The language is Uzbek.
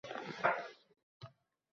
Tarix yakshanba kuniga to‘g‘ri keldi.